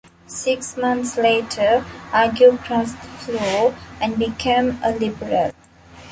Six months later Argue crossed-the-floor, and became a Liberal.